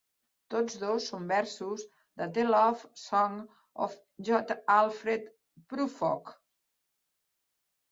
Tots dos són versos de "The Love Song of J. Alfred Prufrock".